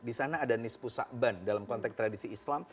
disana ada nispu sa'ban dalam konteks tradisi islam